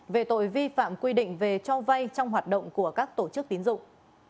về tội vi phạm quy định về cho vay trong hoạt động của các tổ chức tín dụng